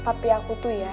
papi aku tuh ya